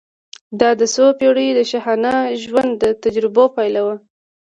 دا د څو پېړیو د شاهانه ژوند د تجربو پایله وه.